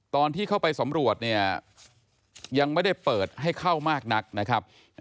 ตอนที่เข้าไปสำรวจเนี่ยยังไม่ได้เปิดให้เข้ามากนักนะครับ